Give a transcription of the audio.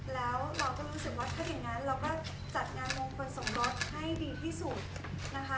แล้วเราก็รู้สึกว่าถ้าอย่างนั้นเราก็จัดงานมงคลสมรสให้ดีที่สุดนะคะ